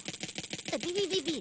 ビビビビッ！